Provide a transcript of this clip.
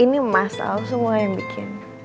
ini emas al semua yang bikin